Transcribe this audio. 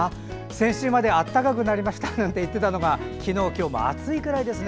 先週まで暖かくなりましたなんて言っていたのが昨日、今日は暑いくらいです。